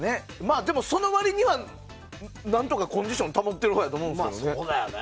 でも、その割にはなんとかコンディション保ってるくらいだと思うんですけどね。